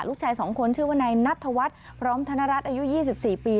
ลูกชาย๒คนชื่อว่านายนัทธวัฒน์พร้อมธนรัฐอายุ๒๔ปี